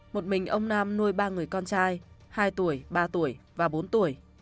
một mình ông nam nuôi ba người con trai hai tuổi ba tuổi và bốn tuổi